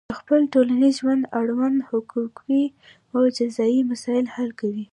د خپل ټولنیز ژوند اړوند حقوقي او جزایي مسایل حل کوي.